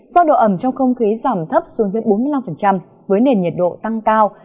do độ ẩm trong không khí giảm thấp xuống dưới bốn mươi năm với nền nhiệt độ tăng cao